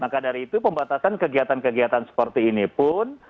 maka dari itu pembatasan kegiatan kegiatan seperti ini pun